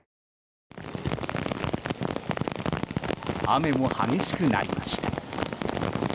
雨も激しくなりました。